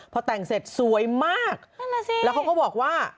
พอแต่งเสร็จสวยมากแล้วเขาก็บอกว่า